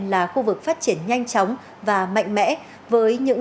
là khu vực phát triển nhanh chóng và mạnh